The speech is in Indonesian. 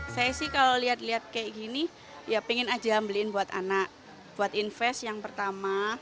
saya sih kalau lihat lihat kayak gini ya pengen aja beliin buat anak buat invest yang pertama